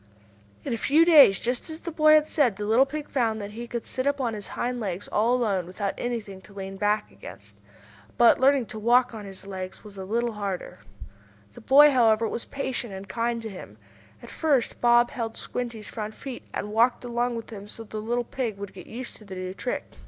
In a few days, just as the boy had said, the little pig found that he could sit up on his hind legs all alone, without anything to lean back against. But learning to walk on his hind legs was a little harder. The boy, however, was patient and kind to him. At first Bob held Squinty's front feet, and walked along with him so the little pig would get used to the new trick.